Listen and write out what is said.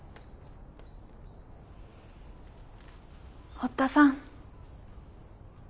堀田さん。